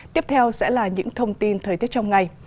tiếp theo sẽ là những thông tin thời tiết trong ngày